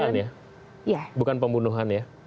itu untuk pemerkosaan ya bukan pembunuhan ya